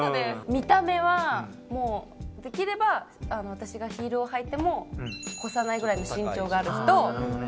見た目はできれば私がヒールを履いても越さないぐらいの身長がある人。